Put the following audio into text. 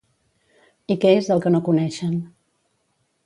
I què és el que no coneixen?